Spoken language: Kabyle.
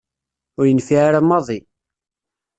Ur yenfiɛ ara maḍi.